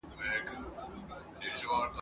نه د چا د میني نه د زلفو بندیوان یمه !.